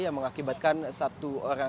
yang mengakibatkan satu orang